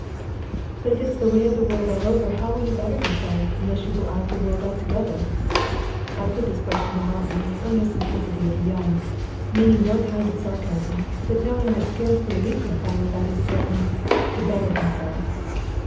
"But if it's the way of the world all over, how will you better yourself, unless you go out of the world altogether!" I put this question to Martin with the earnest simplicity of the young, meaning no kind of sarcasm, but knowing that scarcely a week went by without his threatening to "better himself."